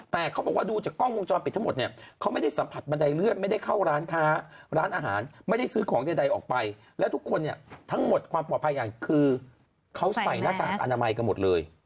แล้วทุกคนเนี่ยทั้งหมดความปลอดภัยกันคือเขาใส่หน้ากากอนามัยกันหมดเลย